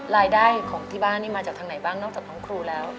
รายได้ของที่บ้านนี่มาจากทางไหนบ้างนอกจากน้องครูแล้ว